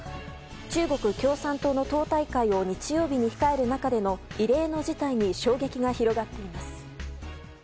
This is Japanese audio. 中国共産党の党大会を日曜日に控える中での異例の事態に衝撃が広がっています。